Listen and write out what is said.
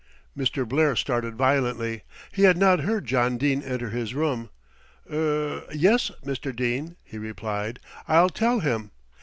Mr. Blair started violently; he had not heard John Dene enter his room. "Er yes, Mr. Dene," he replied, "I'll tell him."